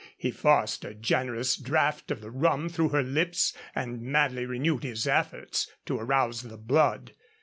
He forced a generous draught of the rum through her lips and madly renewed his efforts to arouse the blood.